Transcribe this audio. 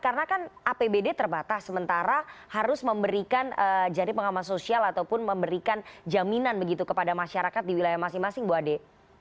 karena kan apbd terbatas sementara harus memberikan jaring pengaman sosial ataupun memberikan jaminan begitu kepada masyarakat di wilayah masing masing bu ade